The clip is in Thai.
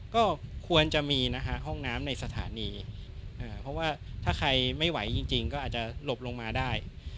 ก็ควรจะมีนะฮะห้องน้ำในสถานีเพราะว่าถ้าใครไม่ไหวจริงก็อาจจะหลบลงมาได้